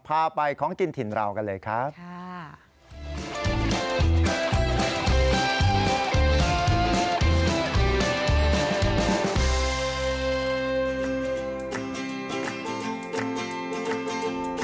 พาไปของกินถิ่นเรากันเลยครับ